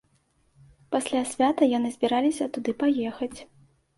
Пасля свята яны збіраліся туды паехаць.